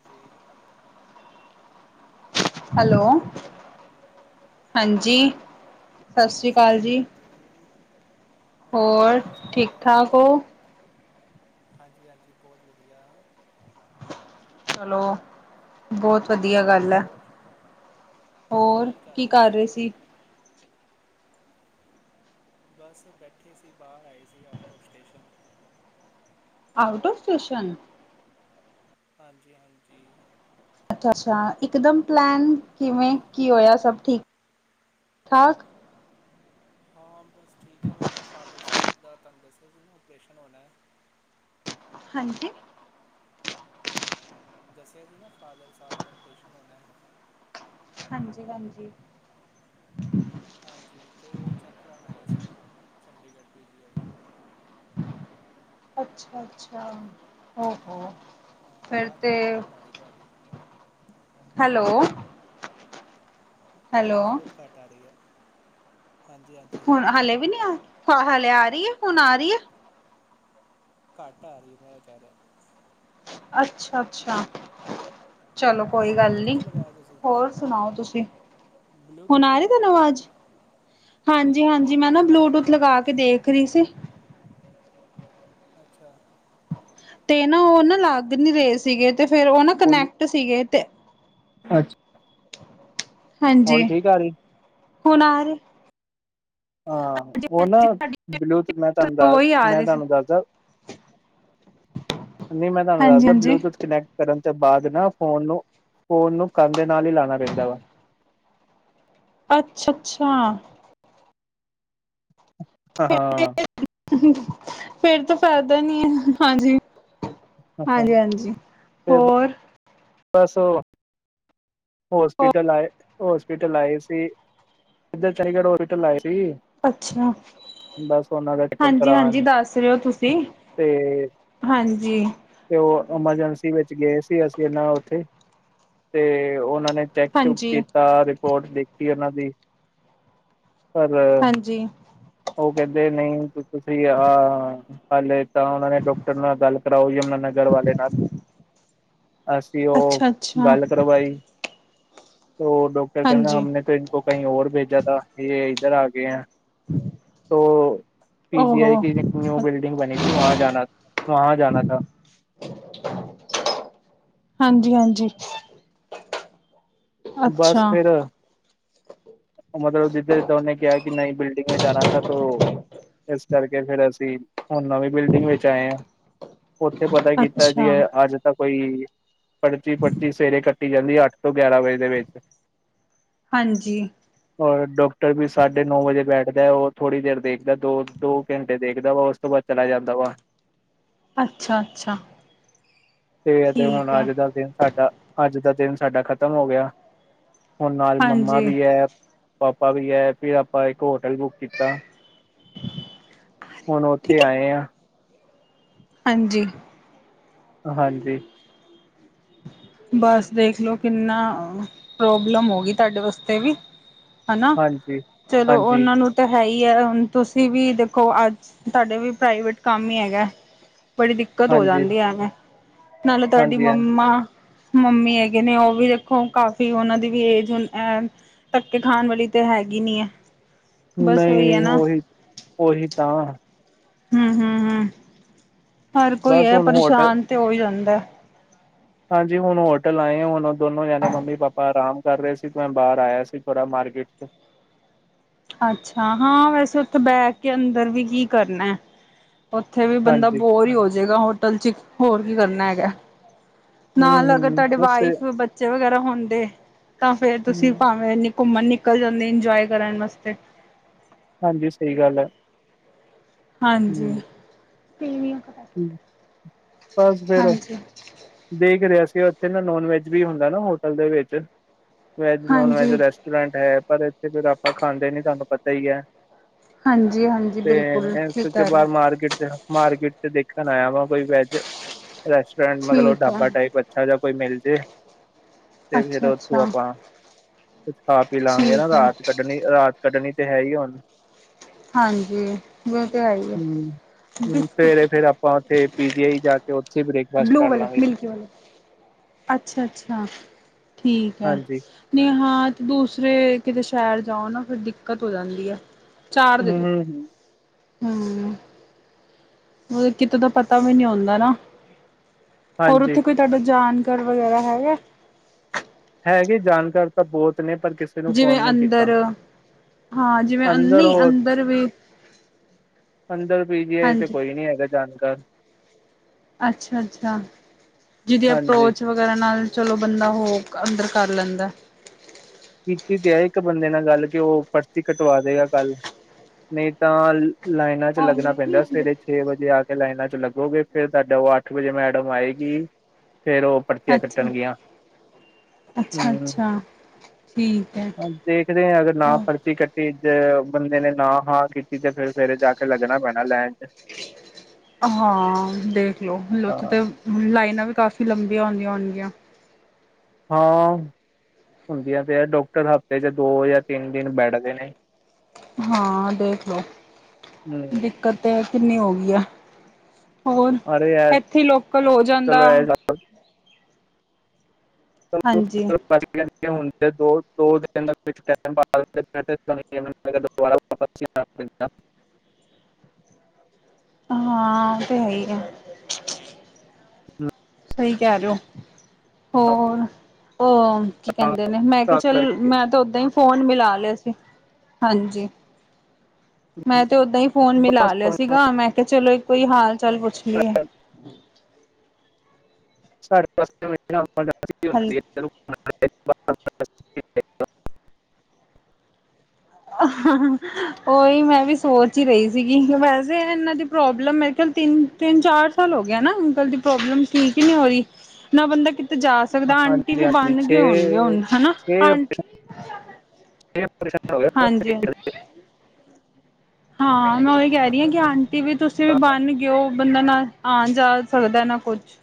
ਜੀ hello. Hello ਹਾਂਜੀ ਸਤਿ ਸ਼੍ਰੀ ਅਕਾਲ ਜੀ। ਕੀ ਹੋਰ ਹਾਲ ਚਾਲ ਠੀਕ ਹੈ ਠਾਕ ਹੋ। ਹਾਂਜੀ ਹਾਂਜੀ ਬਹੁਤ ਵਧੀਆ। ਹੈਲੋ ਬਹੁਤ। ਵਧੀਆ ਗੱਲ ਹੈ ਹੋਰ ਹੋਰ ਕੀ ਕਰ ਰਹੇ ਸੀ। ਬਸ ਬੈਠੇ ਸੀ ਬਾਹਰ ਆਏ ਸੀ out of station. Out of station. ਹਾਂਜੀ-ਹਾਂਜੀ। ਅੱਛਾ-ਅੱਛਾ ਇਕ ਦਮ ਪਲੈਨ ਕਿਵੇਂ ਕੀ ਹੋਇਆ ਸਭ ਠੀਕ ਠਾਕ। ਹਾਂ ਬਸ ਠੀਕ ਹੈ ਉਹ ਨਾ ਫਾਦਰ ਸਾਹਿਬ ਦਾ ਤੁਹਾਨੂੰ ਦੱਸਿਆ ਸੀ ਨਾ ਆਪਰੇਸ਼ਨ ਹੋਣਾ ਹੈ। ਹਾਂਜੀ। ਦੱਸਿਆ ਜੀ ਨਾ ਫਾਦਰ ਸਾਹਿਬ ਦਾ ਆਪਰੇਸ਼ਨ ਹੋਣਾ। ਹਾਂਜੀ-ਹਾਂਜੀ। ਹਾਂਜੀ ਅਤੇ ਉਹ ਚੈਕ ਕਰਉਣ ਆਏ ਸੀ ਚੰਡੀਗੜ੍ਹ ਪੀ ਜੀ ਆਈ। ਅੱਛਾ-ਅੱਛਾ ਹੋ ਹੋ। ਹਾਂ ਫਿਰ ਆਵਾਜ਼ ਤੇ ਬਹੁਤ ਘਟ ਆਰੀ ਤੁਆਡੀ। ਹੈਲੋ। ਹੈਲੋ ਆਵਾਜ਼ ਬਹੁਤ ਘਾਟ ਆ ਰੀ ਹੈ। ਹਾਂਜੀ ਹਾਂਜੀ ਹੁਨ ਹਾਲੇ ਵੀ ਨੀਂ ਹਲੇ ਆ ਰੀ ਏ ਹੁਨ ਆ ਰੀ ਏ। ਕਾੱਟ ਆ ਰੀ ਏ ਮੈਂ ਏਹ ਕਹ ਰਿਆ। ਅੱਛਾ- ਅੱਛਾ। ਚਲੋ ਕੋਈ ਹਾਂ ਗੱਲ ਨੀ ਬਲੂਟੂਥ ਲਗਾਇਆ ਤੁਸੀਂ ਹੋਰ ਸੁਣਾਓ ਤੁਸੀਂ। ਹੁਨ ਬਲੂਟੂਥ ਆ ਰੀ ਲਗਾਇਆ ਤੁਹਾਨੂੰ ਆਵਾਜ਼ ਹਾਂਜੀ ਹਾਂਜੀ ਮੈਂ ਨਾ ਘੱਟ ਹੀ ਬਲੂਟੂਥ ਆ ਲਗਾ ਕੇ ਦੇਖ ਰੀ ਸੀ। ਅੱਛਾ। ਤੇ ਨਾ ਓ ਨਾ ਲੱਗ ਨੀ ਰੇ ਸੀਗੇ ਤੇ ਫੇਰ ਓ ਨਾ ਹੁਣ ਕਨੈਕਟ ਸੀਗੇ ਤੇ। ਅੱਛਾ। ਹਾਂਜੀ ਹੁਣ ਠੀਕ ਆ ਰਹੀ ਹੁਨੰ ਆਰੀ। ਹਾਂ ਓ ਨਾ ਬਲੂਟੂਥ ਮੈਂ ਤੁਹਾਨੂੰ ਦੱਸ ਉਹੀ ਆ ਮੈਂ ਰਹੀ ਸੀ ਤੁਹਾਨੂੰ ਦੱਸਦਾ। ਨੀਂ ਮੈਂ ਤੁਹਾਨੂੰ ਦਸਦਾ ਹਾਂਜੀ-ਹਾਂਜੀ ਬਲੂਟੂਥ ਕਨੈਕਟ। ਕਰਨ ਚ ਬਾੱਦ ਨਾ ਫੋਨ ਨੂੰ ਫੋਨ ਨੂੰ ਕੰਨ ਦੇ ਨਾਲ ਈ ਲਾਨਾ ਪੈਂਦਾ ਵਾ। ਅੱਛਾ -ਅੱਛਾ। ਹਾਂ ਹਾਂ। ਫੇਰ ਤਾਂ ਫਾਇਦਾ ਨੀ ਏ ਹਾਂਜੀ। ਹਾਂਜੀ-ਹਾਂਜੀ ਹੋਰ। ਬੱਸ ਓ ਹੋਸਪਿਟਲ ਆਏ। ਹੋਸਪਿਟਲ ਆਏ ਸੀ ਜਿੱਧਰ ਚੰਡੀਗੜ੍ਹ ਹੋਸਪਿਟਲ ਆਏ ਸੀ। ਅੱਛਾ। ਬਸ ਉਹਨਾਂ ਦਾ ਚੈੱਕਅਪ ਕਰਾਉਣ ਹਾਂਜੀ-ਹਾਂਜੀ ਦੱਸ ਰੇ ਓ ਤੁਸੀਂ ਤੇ ਹਾਂਜੀ। ਤੇ ਓ ਐਮਰਜੈਂਸੀ ਵਿੱਚ ਗਏ ਸੀ ਅਸੀਂ ਇਹਨਾਂ ਉੱਥੇ ਤੇ ਉਨਾਂ ਨੇ। ਚੈਕ ਚੁੱਕ ਹਾਂਜੀ-ਹਾਂਜੀ-ਹਾਂਜੀ ਕੀਤਾ ਰਿਪੋਰਟ ਦੇਖੀ ਓਨਾਂ ਦੀ ਪਰ। ਅੱਛਾ-ਅੱਛਾ ਹਾਂਜੀ ਓ ਕਹਿੰਦੇ ਨਈ ਤੁਸੀਂ ਆ। ਹਲੇੇ ਤਾਂ ਓਨਾਂ ਨੇ ਡਾਕਟਰ ਨਾਲ ਗੱਲ ਕਰਾਓ ਯਮੁਨਾ ਨਗਰ ਵਾਲੇ ਨਾਲ। ਅਸੀਂ ਓ ਅੱਛਾ ਅੱਛਾ, ਗੱਲ ਕਰਵਾਈ। ਡਾਕਟਰ ਕਹੰਦਾ ਹਾਂਜੀ, ਹਮਨੇ ਤੋ ਇਨਕੋ ਕਈ ਹੋਰ ਬੇਜਾ ਤਾ ਯੇ ਇੱਧਰ ਆ ਗਏ ਹੈ ਹਮ [inaudible] ਵੋ ਪੀ ਜੀ ਆਈ ਕੀ ਇੱਕ ਨਿਊ ਬਿਲਡਿੰਗ ਬਨੀ ਥੀ ਵਾ ਜਾਨਾ ਥਾ ਹਾਂਜੀ ਹਾਂਜੀ ਬਸ ਫੇੇਰ ਅ ਮਤਲਬ ਜਿੱਧਾ ਜਿੱਧਾ ਓਨੇ ਕਿਆ ਕਿ ਨਈ ਬਿਲਡਿੰਗਾ ਮੈਂ ਜਾਨਾ ਥਾ ਤੋ ਇਸ ਕਰਕੇ ਫੇਰ ਅਸੀਂ ਹੁਨ ਨਵੀਂ ਬਿਲਡਿੰਗ ਵਿੱਚ ਆਏ ਆ। ਉੱਥੇ ਪਤਾ ਕੀਤਾ ਅੱਛਾ ਕਿ ਅੱਜ ਤਾਂ ਕੋਈ ਪਰਚੀ-ਪਰਚੀ ਸਵੇਰੇ ਕੱਟੀ ਜਾਂਦੀ ਅੱਠ ਤੋਂ ਗਿਆਰਾਂ ਵਜੇ ਦੇ ਵਿੱਚ। ਹਾਂਜੀ। ਔਰ ਡਾਕਟਰ ਵੀ ਸਾਢੇ ਨੌ ਵਜੇ ਬੈਠਦਾ ਓ ਥੋੜੀ ਦੇਰ ਦੇਖਦਾ ਦੋ, ਦੋ ਕੱਟੇ ਦੇਖਦਾ ਵਾ ਉਸ ਤੋਂ ਬਾੱਦ ਚਲਾ ਜਾਂਦਾ ਵਾ। ਅੱਛਾ-ਅੱਛਾ ਤੇ ਅਜ ਹੁਨ ਅੱਜ ਦਾ ਦਿਨ ਸਾਡਾ ਅੱਜ ਦਾ ਦਿਨ ਸਾਡਾ ਖਤਮ ਹੋ ਗਿਆ। ਹੁਣ ਨਾਲ ਮੰਮਾ ਹਾਂਜੀ ਵੀ ਐ ਪਾਪਾ ਵੀ ਐ ਤੇ ਆਪਾਂ ਇੱਕ ਹੋਟਲ ਬੁੱਕ ਕੀਤਾ। ਹੁਣ ਉੱਥੇ ਠੀਕ ਹੈ ਆਏ ਆ ਹਾਂਜੀ ਹਾਂਜੀ ਬਸ ਦੇਖਲੋ ਕਿੰਨਾ ਪ੍ਰੋਬਲਮ ਹੋ ਗੀ ਤਾਡੇ ਵਾਸਤੇ ਵੀ ਹਨਾ ਹਾਂਜੀ ਚਲੋ ਹਾਂਜੀ ਓਨਾਂ ਨੂੰ ਤਾਂ ਹੈ ਹੀ ਹੈ ਹੁਣ ਤੁਸੀਂ ਵੀ ਦੇਖੋ ਅੱਜ ਤੁਹਾਡੇ ਵੀ ਪ੍ਰਾਈਵੇਟ ਕੰਮ ਹੀ ਹੈਗਾ। ਬੋੜੀ ਦਿੱਕਤ ਹੋ ਹਾਂਜੀ ਜਾਂਦੀ ਹੈ, ਨਾਲੇ ਤੁਹਾਡੀ ਹਾਂਜੀ ਹਾਂਜੀ ਮੰਮਾ ਮੰਮੀ ਹੈਗੇ ਨੇ ਉਵੀ ਵੀ ਦੇਖੋ ਕਾਫੀ ਉਹਨਾਂ ਦੀ ਵੀ ਹੂਨ ਏਜ ਤੱਕਕੇ ਖਾਣ ਵਾਲੀ ਤਾਂ ਹੈਗੀ ਨੀ ਹੈ। ਬਸ ਹੈ ਨਹੀਂ ਨਾ ਉਹੀ, ਉਹੀ ਤਾਂ। ਹੁੰ-ਹੁੰ-ਹੁੰ ਹਰ ਕੋਈ ਬਸ ਐ ਹੁਣ ਹੋਟਲ ਪਰੇਸ਼ਾਨ ਤੇ ਹੋ ਹੀ ਜਾਂਦੈ। ਹਾਂਜੀ ਹੁਣ ਹੋਟਲ ਆਏ ਹੁਣ ਦੋਨੋ ਜਾਣੇ ਮੰਮੀ-ਪਾਪਾ ਆਰਾਮ ਕਰ ਰਹੇ ਸੀ ਤੇ ਮੈਂ ਬਾਹਰ ਆਇਆ ਸੀ ਥੋੜਾ ਮਾਰਕੀਟ ਚ। ਅੱਛਾ ਹਾਂ ਵੈਸੇ ਉੱਥੇ ਬੈਠ ਕੇ ਅੰਦਰ ਵੀ ਕੀ ਕਰਨੈ। ਉੱਥੇ ਵੀ ਬੰਦਾ ਹਾਂਜੀ ਬੋਰ ਹੀ ਹੋ ਜੇਗਾ ਹੋਟਲ ਚ ਹੋਰ ਕੀ ਕਰਨਾ ਹੈਗਾ। ਹੂੰ ਨਾਲ ਅਗਰ ਹੂੰ ਤੁਹਾਡੇ ਬਸ ਵਾਈਫ ਬੱਚੇ ਵਗੈਰਾ ਹੁੰਦੇ ਤਾਂ ਫੇਰ ਤੁਸੀਂ ਹੂੰ ਭਾਵੇਂ ਇਨੀ ਘੁੰਮਣ ਨਿਕਲ ਜਾਂਦੇ ਇੰਜੋਏ ਕਰਨ ਵਾਸ ਤੇ। ਹਾਂਜੀ ਸਹੀ ਗੱਲ ਹੈ। ਹਾਂਜੀ, ਹੂੰ ਬਸ ਫੇਰ ਹਾਂਜੀ ਦੇਖ ਰਿਹਾ ਸੀ ਉੱਥੇ ਨਾ ਨੋਨ ਵੈਜ ਵੀ ਹੁੰਦਾ ਨਾ ਹੋਟਲ ਦੇ ਵਿੱਚ ਵੈਜ ਨੋਨ ਵੈਜ ਹਾਂਜੀ ਹਾਂਜੀ ਰੈਸਟ ਟੋਰੈਂਟ ਹੈ ਪਰ ਇੱਥੇ ਫੇਰ ਆਪਾਂ ਖਾਂਦੇ ਨੀ ਤੁਹਾਨੂੰ ਪਤਾ ਹੀ ਐ। ਹਾਂਜੀ ਤੇ ਬਿਲਕੁਲ ਇਸ ਠੀਕ ਅਛਾ ਕਹਿ ਰਹੇ ਹੋ ਬਾਹਰ ਮਾਰਕੀਟ ਚ ਮਾਰਕੀਟ ਤੇ ਦੇਖਣ ਆਇਆ ਵਾ ਕੋਈ ਵੈਜ ਰੈਸਟੋਰੈਂਟ ਮਤਲਬ ਠੀਕ ਹੈ ਢਾਬਾ ਟਾਈਪ ਅਛਾ ਜਾ ਕੋਈ ਮਿਲ ਜੇ। ਤੇ ਫੇਰ ਅੱਛਾ ਅੱਛਾ ਉੱਥੋਂ ਆਪਾਂ ਕੁਛ ਖਾ ਪੀ ਲਵਾਂਗੇ ਨਾ ਠੀਕ ਹੈ ਰਾਤ ਕੱਢਣੀ, ਰਾਤ ਕੱਢਣੀ ਤੇ ਹੈ ਹੀ ਹੁਣ। ਹਾਂਜੀ ਵੋ ਤੇ ਹੈਈ ਐ। ਹੂੰ ਹੂੰ ਸਵੇਰੇ ਫੇਰ ਆਪਾਂ ਉੱਥੇ ਪੀ ਜੀ ਆਈ ਜਾ ਕੇ ਉੱਥੇ ਹੀ ਬ੍ਰੇਕਫਾਸਟ ਕਰ ਲਾਂਗੇ। ਅੱਛਾ ਅੱਛਾ, ਠੀਕ ਆ। ਹਾਂਜੀ ਨਈ ਹਾਂ ਤੇ ਦੂਸਰੇ ਕਿਤੇ ਸ਼ਹਿਰ ਜਾਓ ਨਾ ਫਿਰ ਦਿੱਕਤ ਹੋ ਜਾਂਦੀ ਆ ਹੂੰ। ਹੂੰ। ਓ ਕਿਤੇ ਦਾ ਪਤਾ ਵੀ ਨੀ ਹੁੰਦਾ ਨਾ ਹੋਰ ਹਾਂਜੀ ਓਥੇ ਕੋਈ। ਤੁਹਾਡੇ ਜਾਨ ਕਰ ਵਗੈਰਾ ਹੈਗਾ? ਹੈਗੇ ਜਾਣਕਾਰ ਤਾਂ ਬਹੁਤ ਨੇ ਪਰ ਨੂੰ ਜਿਵੇਂ ਫੋਨ ਨਹੀਂ ਅੰਦਰ ਕੀਤਾ ਹਾਂ ਜਿਵੇਂ ਅੰਦਰ ਨਈ ਹੋਰ ਅੰਦਰ ਵੀ ਅੰਦਰ ਪੀਜੀ ਆ ਤੇ ਹਾਂਜੀ ਕੋਈ ਨੀ ਹੈਗਾ ਜਾਣਕਾਰ ਅੱਛਾ ਅੱਛਾ, ਜਿਹਦੀ ਹਾਂਜੀ ਅਪਰੋਚ ਵਗੈਰਾ ਨਾਲ ਚਲੋ ਬੰਦਾ ਹੋ ਅੰਦਰ ਕਰ ਲੈਂਦਾ ਕੀਤੀ ਤੇ ਐ ਇੱਕ ਬੰਦੇ ਨਾਲ ਗੱਲ ਕਿ ਓ ਪਰਚੀ ਕਟਵਾ ਦੇਗਾ ਕੱਲ ਨਈ ਤਾਂ ਲਾਈਨਾਂ 'ਚ ਲੱਗਣਾ ਔਨਲਾਈਨ ਨੀ ਪੈਂਦਾ ਹੁੰਦੇ ਸਵੇਰੇ ਛੇ ਵਜੇ ਆ ਕੇ ਲਾਈਨਾਂ 'ਚ ਲੱਗੋਗੇ ਫੇਰ ਤੁਹਾਡਾ ਓ ਅੱਠ ਵਜੇ ਮੈਡਮ ਆਏਗੀ ਫੇਰ ਓ ਅੱਛਾ, ਅੱਛਾ ਹੂੰ ਅੱਛਾ ਠੀ ਦੇਖਦੇ ਆਂ ਅਗਰ ਨਾ ਪਰਚੀ ਕੱਟੀ ਤੇ ਬੰਦੇ ਨੇ ਨਾ ਹਾਂ ਕੀਤੀ ਤੇ ਫੇਰ ਸਵੇਰੇ ਜਾ ਕੇ ਲੱਗਣਾ ਪੈਣਾ ਲੈਣ 'ਚ ਹਾਂ ਦੇਖ ਲਓਥ ਹਾਂ ਤੇ ਲਾਈਨਾਂ ਵੀ ਕਾਫ਼ੀ ਲੰਬੀਆਂ ਹੁੰਦੀਆਂ ਹੋਣਗੀਆਂ ਹਾਂ ਹੁੰਦੀਆਂ ਤੇ ਹੈ ਡੋਕਟਰ ਹਫ਼ਤੇ 'ਚ ਦੋ ਜਾਂ ਤਿੰਨ ਦਿਨ ਬੈਠਦੇ ਨੇ ਹਾਂ ਦੇਖ ਲੋ ਹਮ ਦਿੱਕਤ ਤੇ ਐ ਕਿੰਨੀ ਹੋ ਗੀ ਆ ਹੋਰ ਅਰੇ ਯਾਰ ਇੱਥੇ ਲੋਕਲ ਹੋ ਜਾਂਦਾ ਚਲੋ ਇਹ ਹਾਂਜੀ ਚਲ ਹੁਨ ਦੋ ਦੋ ਦਿਨ [unintelligible] ਅਗਰ ਦੁਬਾਰਾ ਪਰਚੀ ਆਣ ਦਿੰਦਾ ਹਾਂ ਓ ਤੇ ਹੈ ਹੀ ਆ। ਹੂੰ। ਸਈ ਕਹਿ ਰੇਅ ਓ। ਹੋਰ ਓ ਕੀ ਕਹਿੰਦੇ ਨੇ ਮੈਂ ਕੇਆ ਤਾਂ ਚੱਲ ਕਰਕੇ ਮੈਂ ਤਾਂ ਓਦਾਂ ਹੀ ਫੋਨ ਮਿਲਾ ਲਿਆ ਸੀ ਹਾਂਜੀ। ਮੈਂ ਤੇ ਓਦਾਂ ਹੀ ਫੋਨ ਮਿਲਾ ਬਸ ਲਿਆ ਹੁਣ ਸੀਗਾ ਮੈਂ ਕੇਆ ਚਲੋ ਇੱਕ ਕੋਈ ਹਾਲ ਚਾਲ ਪੁੱਛ ਲਈਏ ਸਾਡੇ ਸਾੇ ਹਲ [inaudible] ਓਹੀ ਮੈਂ ਵੀ ਸੋਚ ਈ ਰਈ ਸੀਗੀ ਵੈਸੇ ਇਨਾਂ ਦੀ ਪ੍ਰੋਬਲਮ ਮੇਰੇ ਖਿਆਲ ਤਿੰਨ ਤਿੰਨ-ਚਾਰ ਸਾਲ ਹੋ ਗਿਆ ਨਾ ਅੰਕਲ ਦੀ ਪ੍ਰੋਬਲਮ ਠੀਕ ਹੀ ਨੀ ਹੋ ਰਹੀ ਨਾ ਬੰਦਾ ਕਿਤੇ ਜਾ ਸਕਦਾ ਆਂਟੀ ਹਾਂਜੀ ਵੀ ਹਾਂਜੀ ਬੰਨ ਛੇ ਗਈ ਹੋਣੀ ਆ ਹੁਣ ਹਨਾ। ਛੇ ਛੇ [inaudible] ਅੱਛਾ। ਹਾਂ ਮੈਂ ਉਹੀ ਕਹਿ ਰਹੀ ਹਾਂ ਕਿ ਹੋਏ ਆਂਟੀ ਵੀ ਤੁਸੀਂ ਵੀ ਬੰਨ ਗਏਊ ਬੰਦਾ ਨਾ ਆਜਾ ਸਕਦਾ ਨਾ ਕੁਛ।